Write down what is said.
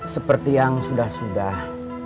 seperti yang sudah sudah